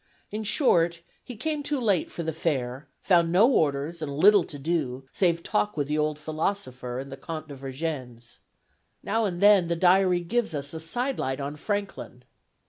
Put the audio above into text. In short, he came too late for the fair, found no orders, and little to do, save talk with the old philosopher and the Comte de Vergennes. Now and then the diary gives us a sidelight on Franklin.